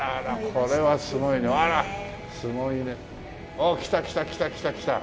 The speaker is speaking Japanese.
おお来た来た来た来た来た。